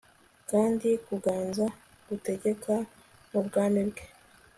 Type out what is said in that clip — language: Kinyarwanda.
Kandi kuganza gutegeka mubwami bwe